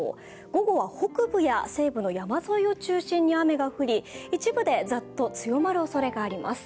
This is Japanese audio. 午後は北部や西部の山沿いを中心に雨が降り一部でざっと強まるおそれがあります。